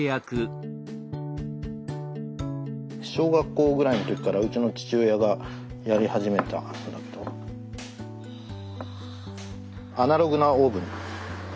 小学校ぐらいの時からうちの父親がやり始めたことだけど「アナログなオーブン」。